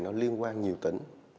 nó liên quan nhiều tỉnh